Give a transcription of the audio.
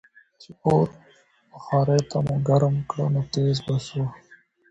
چې اور بخارۍ ته مو ګرم کړ نو ټیزززز به شو.